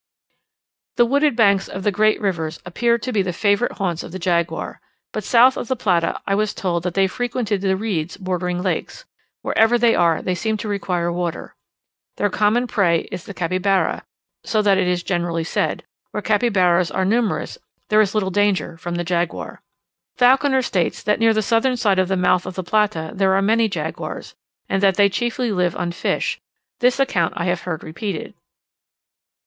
The wooded banks of the great rivers appear to be the favourite haunts of the jaguar; but south of the Plata, I was told that they frequented the reeds bordering lakes: wherever they are, they seem to require water. Their common prey is the capybara, so that it is generally said, where capybaras are numerous there is little danger from the jaguar. Falconer states that near the southern side of the mouth of the Plata there are many jaguars, and that they chiefly live on fish; this account I have heard repeated.